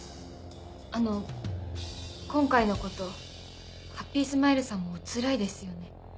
あの今回のことハッピースマイルさんもおつらいですよね。